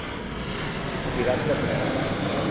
Tirat de preu.